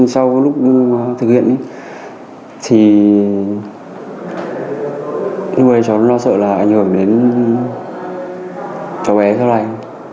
sau lúc thực hiện thì lúc ấy cháu nó sợ là ảnh hưởng đến cháu bé sau đây